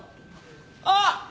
あっ！